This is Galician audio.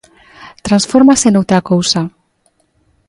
Transfórmase noutra cousa.